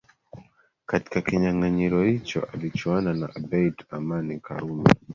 Katika kinyanganyiro icho alichuana na Abeid Amani Karume